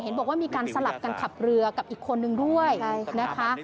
บอกว่ามีการสลับกันขับเรือกับอีกคนนึงด้วยนะคะ